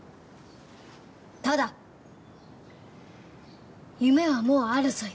ただ夢はもうあるぞよ。